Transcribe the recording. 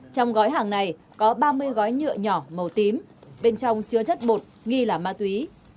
trong gói hàng này có ba mươi gói nhựa nhỏ màu tím bên trong chứa chất bột nghi là ma túy